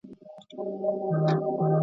د څپو د زور یې نه ول مړوندونه.